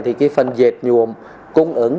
thì phần dệt nhuồm cung ứng